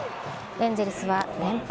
エンゼルスは連敗